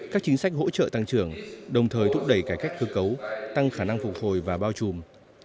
các chính sách hỗ trợ tăng trưởng đồng thời thúc đẩy cải cách cơ cấu tăng khả năng phục hồi và bao trùm